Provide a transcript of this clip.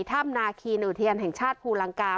ท่ามอนาคีโหยอุทิอร์นแห่งชาติภูรังกา